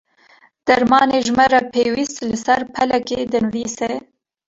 Dermanê ji me re pêwîst li ser pelekê dinivîse.